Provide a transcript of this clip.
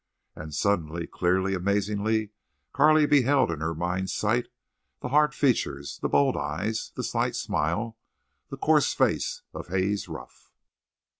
And suddenly, clearly, amazingly, Carley beheld in her mind's sight the hard features, the bold eyes, the slight smile, the coarse face of Haze Ruff.